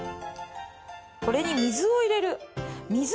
これに水を入れる。